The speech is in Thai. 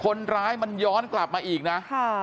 คนร้ายมันย้อนกลับมาอีกนะ